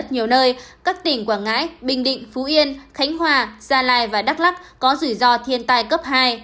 nhiều nơi các tỉnh quảng ngãi bình định phú yên khánh hòa gia lai và đắk lắc có rủi ro thiên tai cấp hai